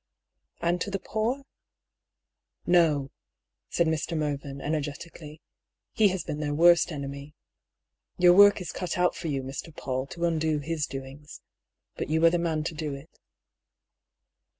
" And to the poor ?"" No," said Mr. Mervyn, energetically. " He has been their worst enemy. Tour work is cut out for you, Mr. PauU, to undo his doings. But you are the man to do it."